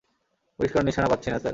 পরিষ্কার নিশানা পাচ্ছি না, স্যার।